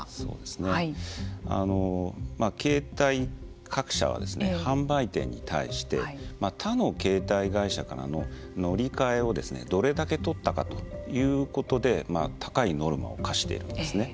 まあ携帯各社は販売店に対して他の携帯会社からの乗り換えをどれだけ取ったかということで高いノルマを課しているんですね。